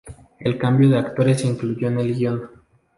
El cambio de actores se incluyó en el guion.